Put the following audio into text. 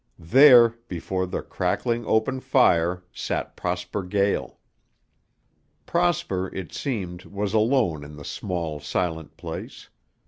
There, before the crackling, open fire, sat Prosper Gael. Prosper, it seemed, was alone in the small, silent place.